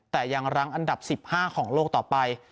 แต่ยังรั้งอันดับ๑๕ของโลกต่อไป